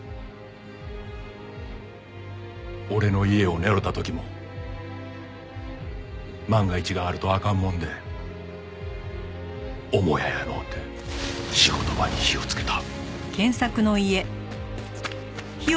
俺の家を狙うた時も万が一があるとあかんもんで母屋やのうて仕事場に火をつけた。